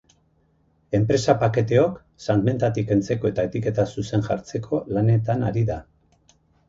Enpresa paketeok salmentatik kentzeko eta etiketa zuzen jartzeko lanetan ari da.